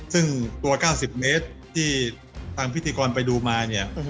ซึ่งตัว๙๐เมตรที่ทางพิธีกรไปดูมาเนี่ย